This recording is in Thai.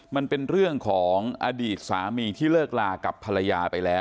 มันเป็นเรื่องของอดีตสามีที่เลิกลากับภรรยาไปแล้ว